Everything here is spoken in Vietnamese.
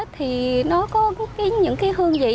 thì nó có những cái hương vị